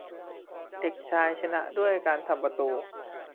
เด็กชายชนะด้วยการทำประตู